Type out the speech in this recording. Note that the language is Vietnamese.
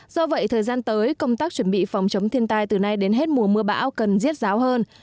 do vậy thời gian tới công tác chuẩn bị phòng chống thiên tai từ nay đến hết mùa mưa bão cần riết ráo hơn